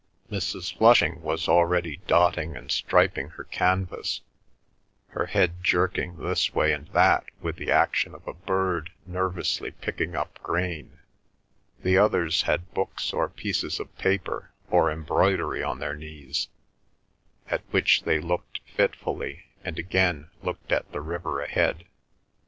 Mrs. Flushing was already dotting and striping her canvas, her head jerking this way and that with the action of a bird nervously picking up grain; the others had books or pieces of paper or embroidery on their knees, at which they looked fitfully and again looked at the river ahead.